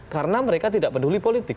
karena mereka tidak peduli politik